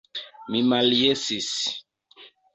Mi maljesis.